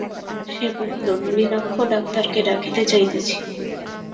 সে কহিল, নলিনাক্ষ ডাক্তারকে ডাকিতে যাইতেছি।